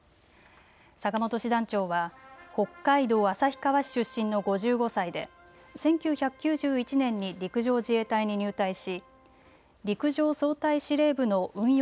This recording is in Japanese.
坂本師団長は北海道旭川市出身の５５歳で１９９１年に陸上自衛隊に入隊し陸上総隊司令部の運用